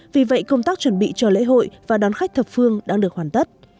vì vậy công tác chuẩn bị cho lễ hội và đón khách thập phương đang được hoàn tất